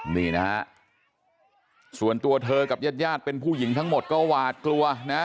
นี่นะฮะส่วนตัวเธอกับญาติญาติเป็นผู้หญิงทั้งหมดก็หวาดกลัวนะ